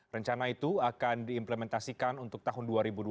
rencana itu akan diimplementasikan untuk tahun dua ribu dua puluh